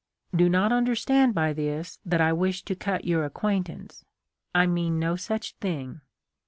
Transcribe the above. Do not understand by this that I wish to cut your acquaintance. I mean no such thing.